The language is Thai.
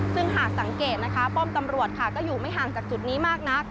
ซึ่งหากสังเกตนะคะป้อมตำรวจค่ะก็อยู่ไม่ห่างจากจุดนี้มากนัก